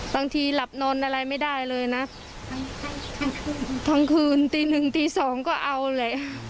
บางทีหลับนอนอะไรไม่ได้เลยนะทั้งคืนตีหนึ่งตีสองก็เอาแหละ